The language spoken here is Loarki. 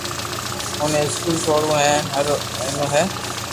اوني اسڪول سوڙوہ ھي پر او نينو ھي